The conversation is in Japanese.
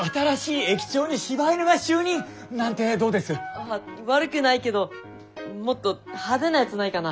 あっ悪くないけどもっと派手なやつないかな？